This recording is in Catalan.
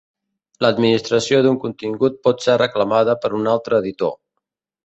L'administració d'un contingut pot ser reclamada per un altre editor.